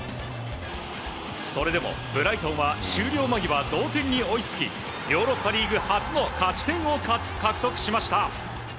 それでもブライトンは終了間際、同点に追いつきヨーロッパリーグ初の勝ち点を獲得しました。